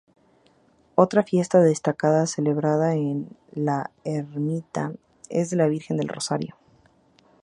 Otra fiesta destacada celebrada en la ermita es la de la Virgen del Rosario.